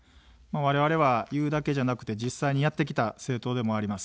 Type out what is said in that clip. われわれは言うだけじゃなくて実際にやってきた政党でもあります。